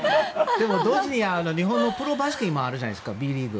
でも同時に日本のプロバスケあるじゃないですかＢリーグ。